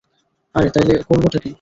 আরে তাইলে করবোটা কী?